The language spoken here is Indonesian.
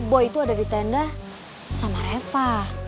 boi itu ada di tenda sama reva